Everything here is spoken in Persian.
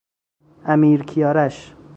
امیرکیارش